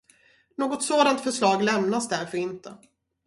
Något sådant förslag lämnas därför inte.